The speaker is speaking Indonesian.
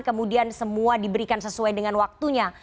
kemudian semua diberikan sesuai dengan waktunya